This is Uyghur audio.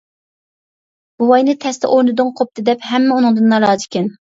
بوۋاينى تەستە ئورنىدىن قوپتى دەپ، ھەممە ئۇنىڭدىن نارازى ئىكەن.